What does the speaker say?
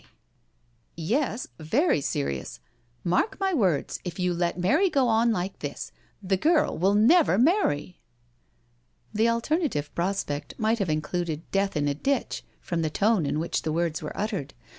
^4 yo SURf^ENDER •• Yes, very serious. Mark my words, if you let Mary go on like this, the girl will never marry." The alternative prospect might have included death in a ditch, from the tone in which the words were uttered.